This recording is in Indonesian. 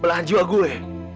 belahan jiwa gue